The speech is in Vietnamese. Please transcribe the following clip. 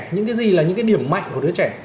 những cái gì là những cái điểm mạnh của đứa trẻ